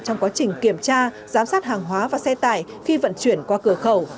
trong quá trình kiểm tra giám sát hàng hóa và xe tải khi vận chuyển qua cửa khẩu